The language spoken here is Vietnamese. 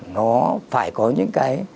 nó phải có những cái